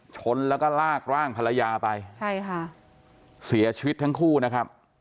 ชนแล้วก็ลากร่างภรรยาไปใช่ค่ะเสียชีวิตทั้งคู่นะครับ